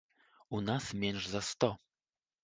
У нас менш за сто.